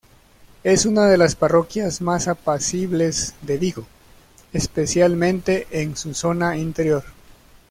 Es una de las parroquias más apacibles de Vigo, especialmente en su zona interior.